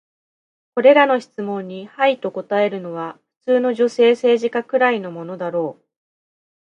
これらの質問に「はい」と答えるのは、普通の女性政治家くらいのものだろう。